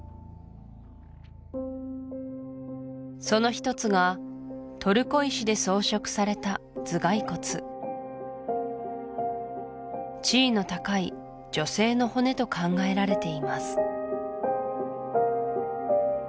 その一つがトルコ石で装飾された頭蓋骨地位の高い女性の骨と考えられています